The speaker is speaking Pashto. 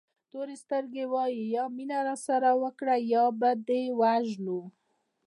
تورې سترګې وایي یا مینه راسره وکړه یا به دې ووژنو.